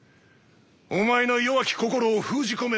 お前の弱き心を封じ込め